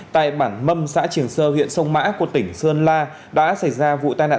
tại bản mâm xã triềng sơ huyện sông mã của tỉnh sơn la đã xảy ra vụ tai nạn